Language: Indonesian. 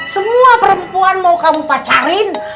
semua perempuan mau kamu pacarin